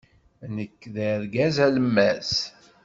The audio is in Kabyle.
Nekk d argaz alemmas.